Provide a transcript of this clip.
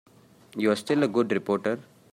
You're still a good reporter.